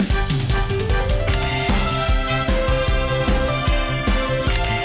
หวานดี